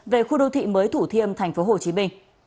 về khu đô thị mới thủ thiêm tp hcm